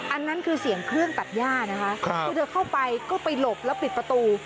อันนั้นคือเสียงเครื่องตัดย่านะคะคือเธอเข้าไปก็ไปหลบแล้วปิดประตู